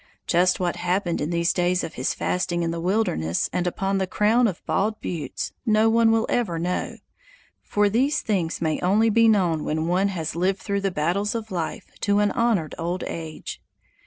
Just what happened in these days of his fasting in the wilderness and upon the crown of bald buttes, no one will ever know; for these things may only be known when one has lived through the battles of life to an honored old age.